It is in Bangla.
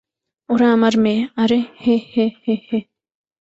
ওরা আমার মেয়ে - আরে, হে, হে, হে, হে!